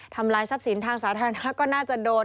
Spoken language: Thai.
ลายทรัพย์สินทางสาธารณะก็น่าจะโดน